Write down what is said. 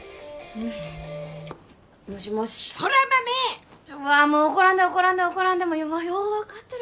うわっもう怒らんで怒らんで怒らんでもよう分かっとる